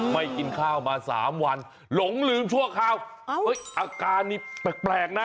ไม่กินข้าวมาสามวันหลงลืมชั่วคราวอาการนี้แปลกนะ